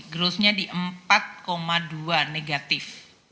growthnya di empat dua negatif